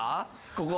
ここ。